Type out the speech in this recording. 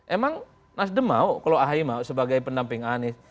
emang nasdem mau kalau ahy mau sebagai pendamping anies